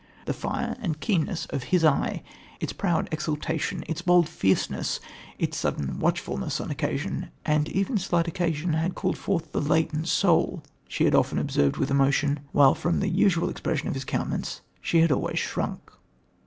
The fire and keenness of his eye, its proud exaltation, its bold fierceness, its sudden watchfulness as occasion and even slight occasion had called forth the latent soul, she had often observed with emotion, while from the usual expression of his countenance she had always shrunk."